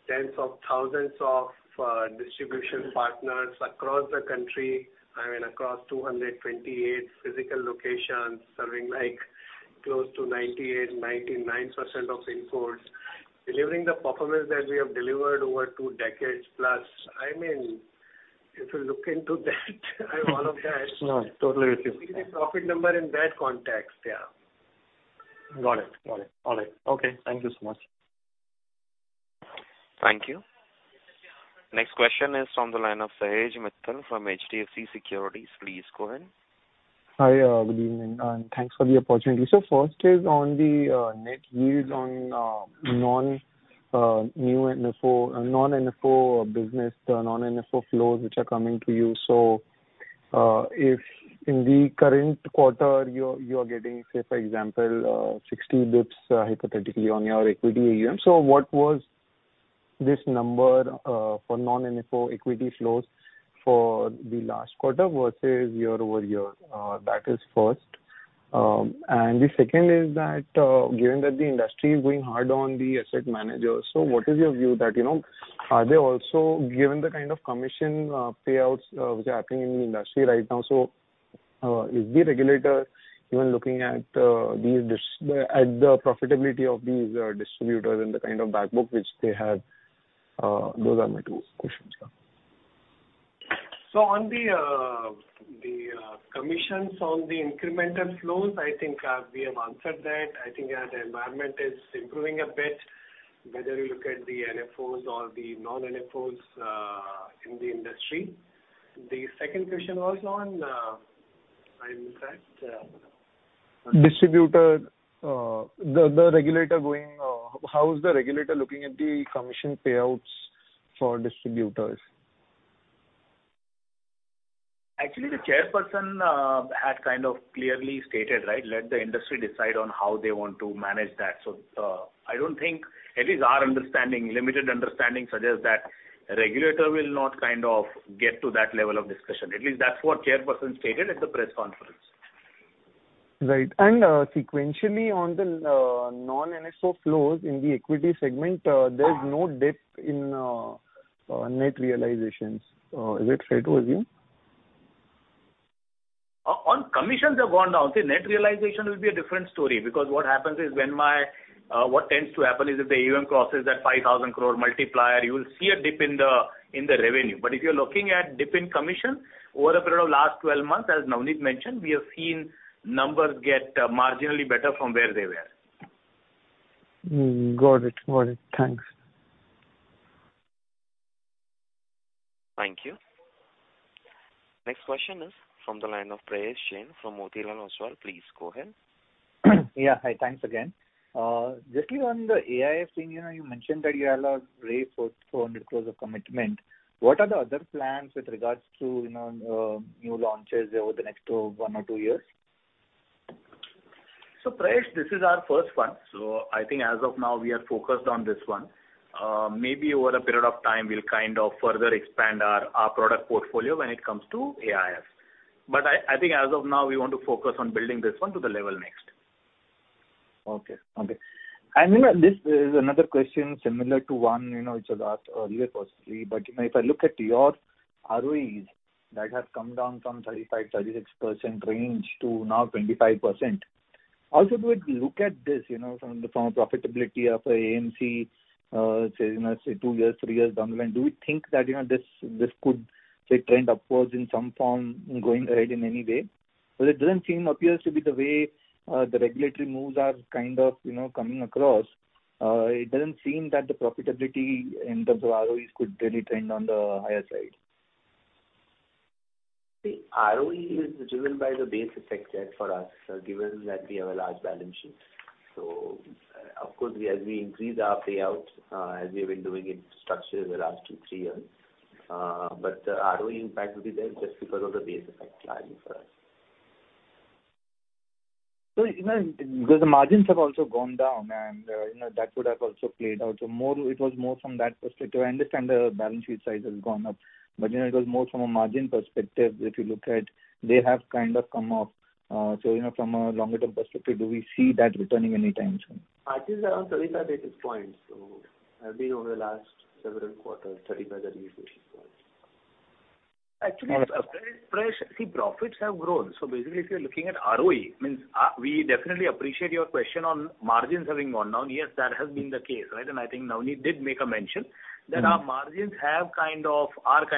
Tens of thousands of distribution partners across the country and across 228 physical locations, serving like close to 98%, 99% of pin codes. Delivering the performance that we have delivered over two decades plus. I mean, if you look into that and all of that. No, totally with you. See the profit number in that context, yeah. Got it. Got it. All right. Okay, thank you so much. Thank you. Next question is from the line of Sahej Mittal from HDFC Securities. Please go ahead. Hi, good evening, and thanks for the opportunity. First is on the net yield on non-new NFO, non-NFO business, the non-NFO flows which are coming to you. If in the current quarter you're getting, say for example, 60 basis points hypothetically on your equity AUM. What was this number for non-NFO equity flows for the last quarter versus year-over-year? That is first. And the second is that, given that the industry is going hard on the asset managers, so what is your view that, you know, are they also given the kind of commission payouts which are happening in the industry right now? Is the regulator even looking at these at the profitability of these distributors and the kind of back book which they have? Those are my two questions, sir. On the commissions on the incremental flows, I think, we have answered that. I think, yeah, the environment is improving a bit, whether you look at the NFOs or the non-NFOs, in the industry. The second question was on. Distributor. How is the regulator looking at the commission payouts for distributors? Actually, the chairperson had kind of clearly stated, right, let the industry decide on how they want to manage that. I don't think, at least our understanding, limited understanding suggests that regulator will not kind of get to that level of discussion. At least that's what chairperson stated at the press conference. Right. Sequentially on the non-NFO flows in the equity segment, there's no dip in net realizations. Is it fair to assume? On commissions have gone down. See, net realization will be a different story because what happens is when my, what tends to happen is if the AUM crosses that 5,000 crore multiplier, you will see a dip in the, in the revenue. If you're looking at dip in commission over a period of last 12 months, as Navneet mentioned, we have seen numbers get marginally better from where they were. Mm. Got it. Got it. Thanks. Thank you. Next question is from the line of Prayesh Jain from Motilal Oswal. Please go ahead. Yeah. Hi, thanks again. Just on the AIF thing, you know, you mentioned that you have raised 400 crores of commitment. What are the other plans with regards to, you know, new launches over the next one or two years? Prayesh, this is our first one. I think as of now we are focused on this one. Maybe over a period of time we'll kind of further expand our product portfolio when it comes to AIF. I think as of now we want to focus on building this one to the level next. Okay. Okay. You know, this is another question similar to one, you know, which was asked earlier possibly. You know, if I look at your ROEs, that have come down from 35%-36% range to now 25%. Do we look at this, you know, from the, from a profitability of a AMC, say, you know, say two years, three years down the line? Do we think that, you know, this could say trend upwards in some form going ahead in any way? It doesn't seem appears to be the way, the regulatory moves are kind of, you know, coming across. It doesn't seem that the profitability in terms of ROEs could really trend on the higher side. ROE is driven by the base effect set for us, given that we have a large balance sheet. Of course, we, as we increase our payout, as we have been doing it structured in the last two, three years. The ROE impact will be there just because of the base effect largely for us. Even because the margins have also gone down and, you know, that would have also played out. More, it was more from that perspective. I understand the balance sheet size has gone up. You know, it was more from a margin perspective. If you look at they have kind of come up, so you know from a longer term perspective, do we see that returning anytime soon? Margins are on 35 basis points, so have been over the last several quarters, 35 basis points. Actually, Prayesh, see, profits have grown. Basically if you're looking at ROE, means, we definitely appreciate your question on margins having gone down. Yes, that has been the case, right. Navneet did make a mention that our margins are kind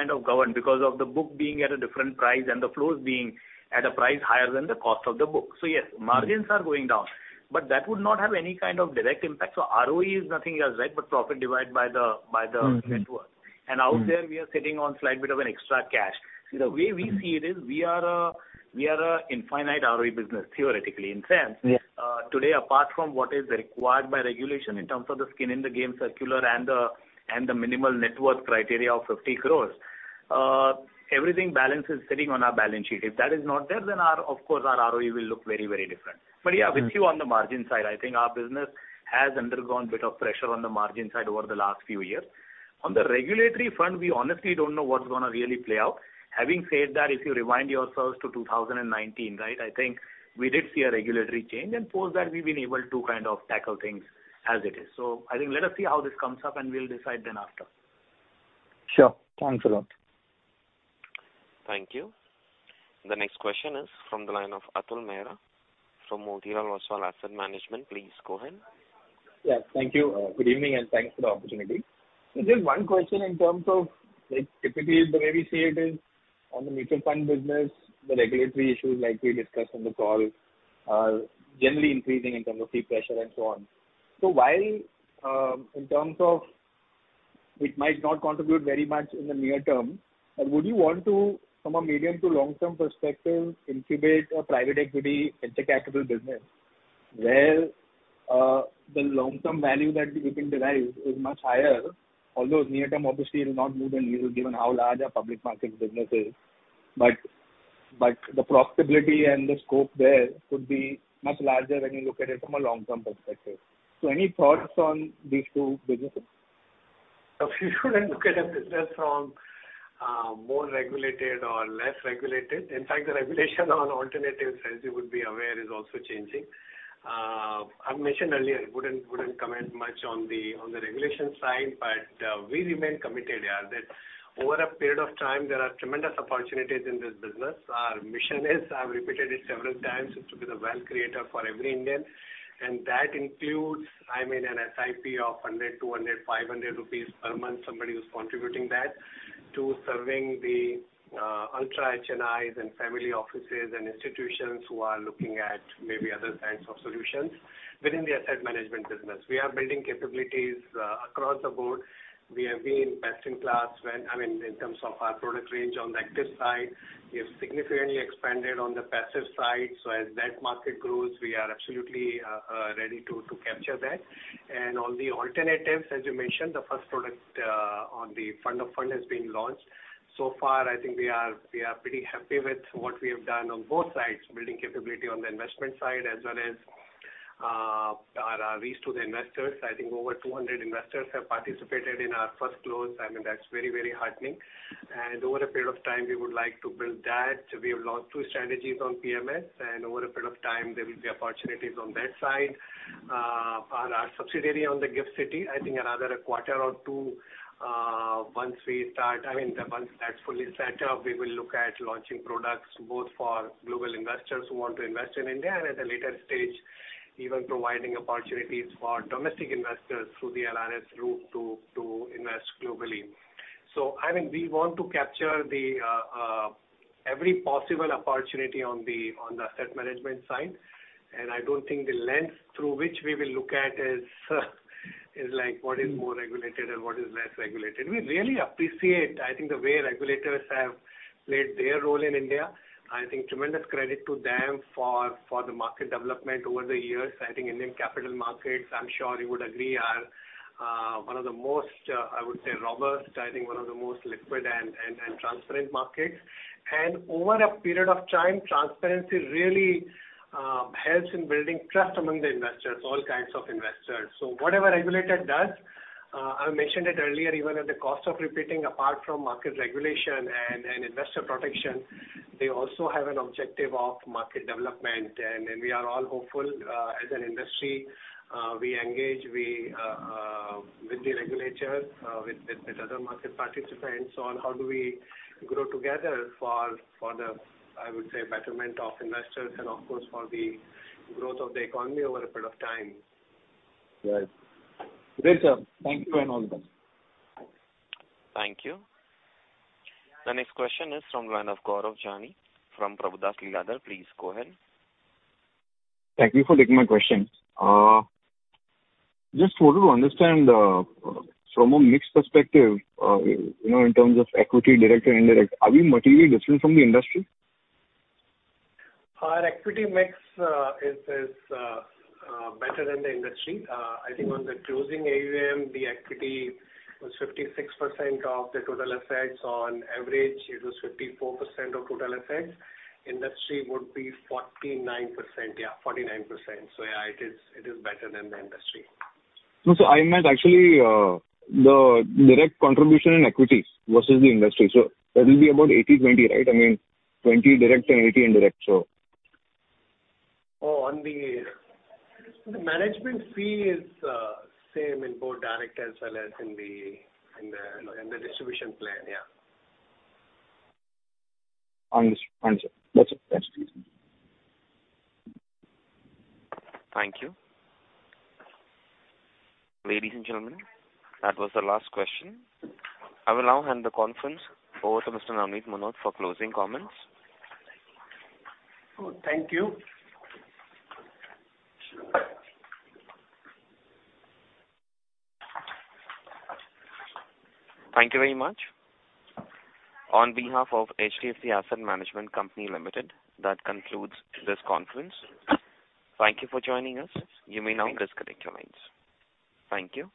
of governed because of the book being at a different price and the flows being at a price higher than the cost of the book. Yes, margins are going down. That would not have any kind of direct impact. ROE is nothing else, right, but profit divided by the net worth. Out there we are sitting on slight bit of an extra cash. The way we see it is we are a infinite ROE business, theoretically in sense. Yes. Today apart from what is required by regulation in terms of the skin in the game circular and the minimal net worth criteria of 50 crores, everything balance is sitting on our balance sheet. If that is not there, then our, of course, our ROE will look very, very different. Yeah, with you on the margin side, I think our business has undergone a bit of pressure on the margin side over the last few years. On the regulatory front, we honestly don't know what's gonna really play out. Having said that, if you remind yourselves to 2019, right? I think we did see a regulatory change. Post that we've been able to kind of tackle things as it is. I think let us see how this comes up, and we'll decide then after. Sure. Thanks a lot. Thank you. The next question is from the line of Atul Mehra from Motilal Oswal Asset Management. Please go ahead. Yeah, thank you. Good evening, and thanks for the opportunity. Just one question in terms of, like, typically the way we see it is on the mutual fund business, the regulatory issues like we discussed on the call are generally increasing in terms of fee pressure and so on. While in terms of it might not contribute very much in the near term, would you want to from a medium to long-term perspective incubate a private equity venture capital business where the long-term value that we can derive is much higher? Although near term, obviously it will not move the needle given how large our public markets business is, the profitability and the scope there could be much larger when you look at it from a long-term perspective. Any thoughts on these two businesses? You shouldn't look at a business from more regulated or less regulated. In fact, the regulation on alternatives, as you would be aware, is also changing. I mentioned earlier, I wouldn't comment much on the regulation side, we remain committed. Yeah. Over a period of time, there are tremendous opportunities in this business. Our mission is, I've repeated it several times, is to be the wealth creator for every Indian. That includes, I mean, an SIP of 100, 200, 500 rupees per month. Somebody who's contributing that to serving the ultra HNIs and family offices and institutions who are looking at maybe other kinds of solutions within the asset management business. We are building capabilities across the board. We have been best in class, I mean, in terms of our product range on the active side. We have significantly expanded on the passive side. As that market grows, we are absolutely ready to capture that. On the alternatives, as you mentioned, the first product on the fund of fund has been launched. So far I think we are pretty happy with what we have done on both sides, building capability on the investment side as well as our reach to the investors. I think over 200 investors have participated in our first close. I mean, that's very, very heartening. Over a period of time we would like to build that. We have launched two strategies on PMS and over a period of time there will be opportunities on that side. Our subsidiary on the Gift City, I think another quarter or two, once that's fully set up, we will look at launching products both for global investors who want to invest in India and at a later stage even providing opportunities for domestic investors through the LRS route to invest globally. I mean, we want to capture every possible opportunity on the asset management side. I don't think the lens through which we will look at is like what is more regulated and what is less regulated. We really appreciate, I think, the way regulators have played their role in India. I think tremendous credit to them for the market development over the years. I think Indian capital markets, I'm sure you would agree, are one of the most, I would say, robust. I think one of the most liquid and transparent markets. Over a period of time, transparency really helps in building trust among the investors, all kinds of investors. Whatever regulator does, I mentioned it earlier, even at the cost of repeating, apart from market regulation and investor protection, they also have an objective of market development. We are all hopeful, as an industry, we engage, we with the regulators, with other market participants on how do we grow together for the, I would say, betterment of investors and of course, for the growth of the economy over a period of time. Right. Great, Sir. Thank you and all the best. Thank you. The next question is from the line of Gaurav Jani from Prabhudas Lilladher. Please go ahead. Thank you for taking my question. Just wanted to understand, from a mix perspective, you know, in terms of equity direct and indirect, are we materially different from the industry? Our equity mix is better than the industry. I think on the closing AUM, the equity was 56% of the total assets. On average, it was 54% of total assets. Industry would be 49%. Yeah, 49%. It is better than the industry. No. I meant actually, the direct contribution in equities versus the industry. That will be about 80/20, right? I mean, 20 direct and 80 indirect. On the management fee is same in both direct as well as in the distribution plan. Yeah. Understood. Thank you sir. That's it. Thank you. Ladies and gentlemen, that was the last question. I will now hand the conference over to Mr. Navneet Munot for closing comments. Thank you. Thank you very much. On behalf of HDFC Asset Management Company Limited, that concludes this conference. Thank you for joining us. You may now disconnect your lines. Thank you.